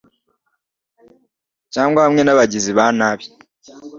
cyangwa hamwe n’abagizi ba nabi